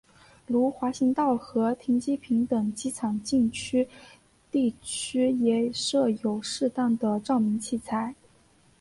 如滑行道和停机坪等机场禁区地区也设有适当的照明器材。